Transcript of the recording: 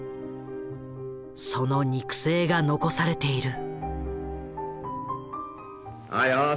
その肉声が残されている。